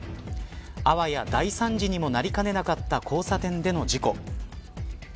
あわや大惨事にもなりかねなかった交差点での事故。